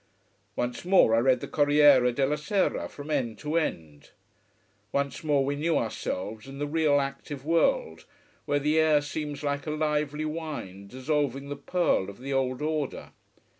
Once more I read the Corriere della Sera from end to end. Once more we knew ourselves in the real active world, where the air seems like a lively wine dissolving the pearl of the old order.